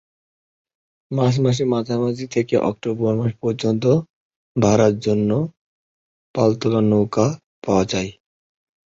March মাসের মাঝামাঝি থেকে অক্টোবর মাস পর্যন্ত ভাড়ার জন্য পালতোলা নৌকা পাওয়া যায়।